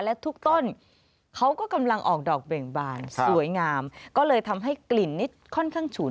และทุกต้นเขาก็กำลังออกดอกเบ่งบานสวยงามก็เลยทำให้กลิ่นนี้ค่อนข้างฉุน